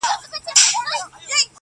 د نغمو آمیل په غاړه راغلم یاره,